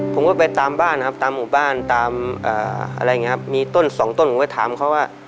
ผมก็ไปตามบ้านครับตามหมู่บ้านตามอะไรอย่างนี้ครับมีต้นสองต้นผมก็ถามเขาว่า